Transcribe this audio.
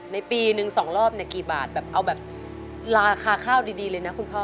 ในปีนึง๒รอบเนี่ยกี่บาทแบบเอาแบบราคาข้าวดีเลยนะคุณพ่อ